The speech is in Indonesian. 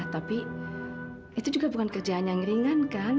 tapi itu juga bukan kerjaan yang ringan kan